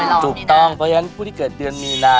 เป็นคนสวยหรอมีน่ะเพราะฉะนั้นผู้ที่เกิดเดือนมีนา